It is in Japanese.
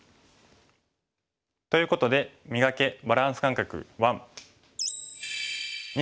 ということで「磨け！バランス感覚１」。